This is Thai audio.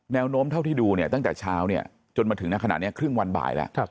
แนวโน้มเท่าที่ดูเนี่ยตั้งแต่เช้าเนี่ยจนมาถึงณขณะนี้ครึ่งวันบ่ายแล้ว